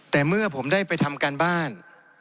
แต่เมื่อผมได้ไปทำการบ้าน